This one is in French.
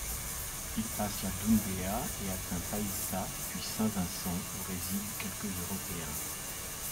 Il passe la Dumbéa et atteint Païta puis Saint-Vincent où résident quelques européens.